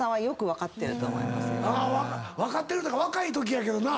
分かってるというか若いときやけどな。